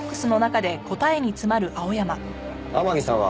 天樹さんは。